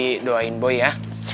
eeeh bibi doain boy ya